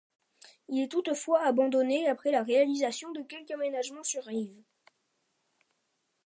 Il est toutefois abandonné après la réalisation de quelques aménagements sur rives.